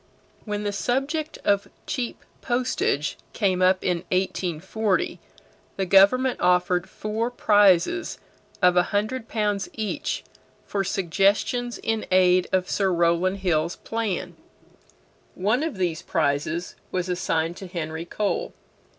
When the subject of cheap postage came up in 1840, the government offered four prizes of a hundred pounds each for suggestions in aid of Sir Rowland Hill's plan. One of these prizes was assigned to Henry Cole.